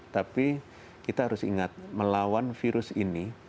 tapi kita harus ingat melawan virus ini